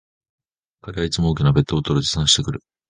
彼はいつも大きなペットボトルを持参してくる